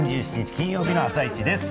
金曜日の「あさイチ」です。